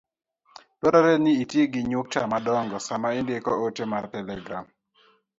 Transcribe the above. Dwarore ni iti gi nyukta madongo sama indiko ote mar telegram.